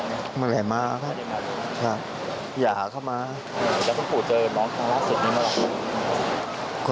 พี่เงี๊ยบท่านคุณำปู่เจอน้องคราวคือทางล่างสุดนิ่งมาแล้วครับ